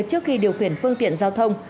trước khi điều khiển phương tiện giao thông